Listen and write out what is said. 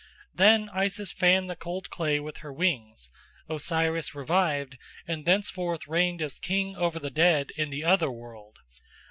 Then Isis fanned the cold clay with her wings: Osiris revived, and thenceforth reigned as king over the dead in the other world.